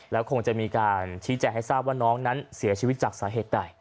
แล้วคงจะมีการชี้แจงให้ทราบว่าน้องนั้นเสียชีวิตจากสาเหตุใด